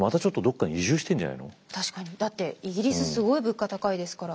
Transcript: だってイギリスすごい物価高いですから。